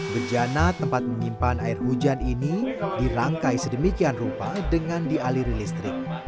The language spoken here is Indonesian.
bejana tempat menyimpan air hujan ini dirangkai sedemikian rupa dengan dialiri listrik